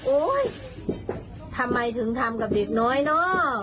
โอ๊ยทำไมถึงทำกับเด็กน้อยน่ะ